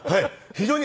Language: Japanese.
非常に。